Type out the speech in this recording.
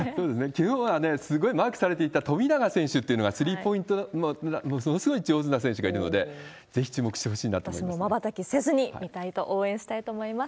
きのうはね、すごいマークされていた富永選手っていうのがスリーポイント、ものすごい上手な選手がいるので、ぜひ注目し私も瞬きせずに見たいと、応援したいと思います。